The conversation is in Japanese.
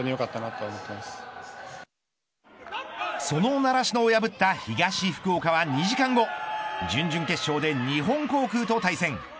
その習志野を破った東福岡は２時間後準々決勝で日本航空と対戦。